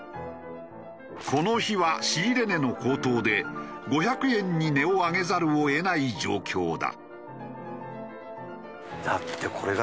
この日は仕入れ値の高騰で５００円に値を上げざるを得ない状況だ。